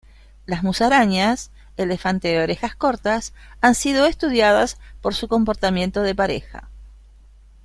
Las musarañas elefante de orejas cortas han sido estudiadas por su comportamiento de pareja.